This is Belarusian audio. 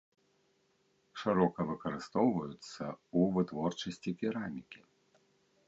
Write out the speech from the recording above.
Шырока выкарыстоўваюцца ў вытворчасці керамікі.